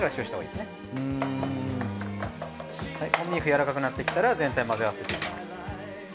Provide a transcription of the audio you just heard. やわらかくなってきたら全体混ぜ合わせていきます。